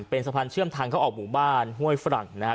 เป็นสะพานเชื่อมทางเข้าออกหมู่บ้านห้วยฝรั่งนะครับ